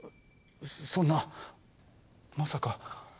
そんなまさか。